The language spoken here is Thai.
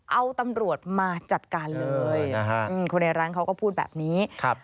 เอาตำรวจมาจัดการเลยนะฮะคนในร้านเขาก็พูดแบบนี้ครับ